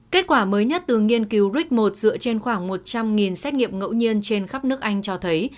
kết quả mới nhất từ nghiên cứu rick một dựa trên khoảng một trăm linh xét nghiệm ngẫu nhiên trên khắp nước anh cho thấy